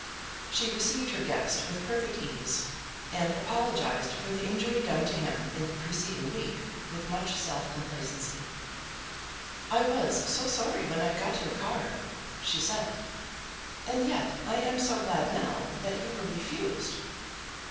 She received her guest with perfect ease, and apologised for the injury done to him in the preceding week, with much self complacency. "I was so sorry when I got your card," she said; "and yet I am so glad now that you were refused."